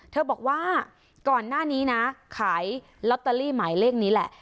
เธอบอกว่าก่อนหน้านี้นะขายลอตเตอรี่หมายเลขนี้แหละ